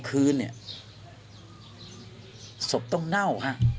๔คืนศพต้องเน่า